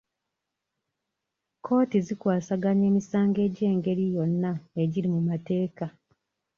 Kkooti zikwasaganya emisango egy'engeri yonna egiri mu mateeka.